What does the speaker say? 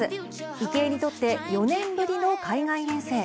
池江にとって、４年ぶりの海外遠征。